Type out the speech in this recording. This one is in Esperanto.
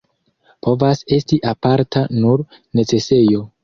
Povas esti aparta nur necesejo.